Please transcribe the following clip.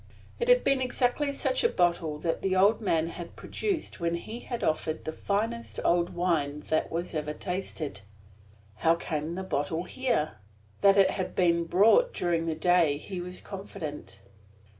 It had been exactly such a bottle that the old man had produced when he had offered him the finest old wine that was ever tasted. How came the bottle here? That it had been brought during the day he was confident.